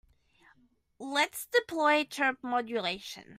Let's deploy chirp modulation.